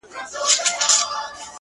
هغه به څرنګه بلا وویني ـ